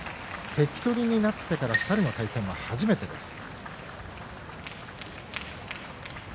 関取になってから２人の対戦は初めてです。